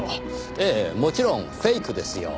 ええもちろんフェイクですよ。